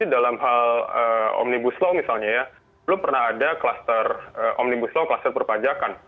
dalam hal omnibus law misalnya belum pernah ada cluster omnibus law cluster perpajakan